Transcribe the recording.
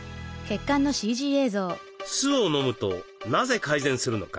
酢を飲むとなぜ改善するのか。